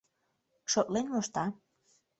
Шотлен мошта.